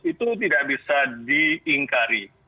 itu tidak bisa diingkari